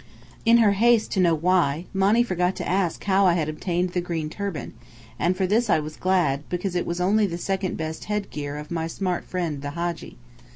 In her haste to know why, Monny forgot to ask how I had obtained the green turban; and for this I was glad, because it was only the second best headgear of my smart friend the Hadji.